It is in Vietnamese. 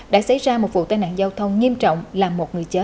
đã xảy ra một vụ tai nạn giao thông nghiêm trọng làm một người chết